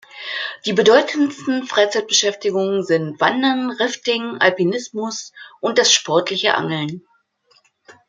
Die bedeutendsten Freizeitbeschäftigungen sind Wandern, Rafting, Alpinismus und das sportliche Angeln.